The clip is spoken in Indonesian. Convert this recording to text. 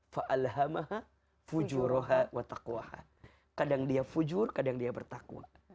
kadang dia fujud kadang dia bertakwa